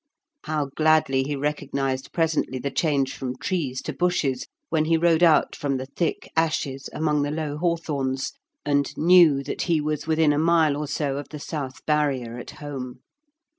How gladly he recognised presently the change from trees to bushes, when he rode out from the thick ashes among the low hawthorns, and knew that he was within a mile or so of the South Barrier at home!